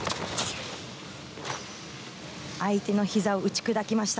相手のひざを打ち砕きました。